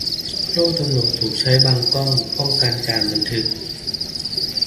โล่ตำรวจถูกใช้บังกล้อง ป้องกันการบันทึก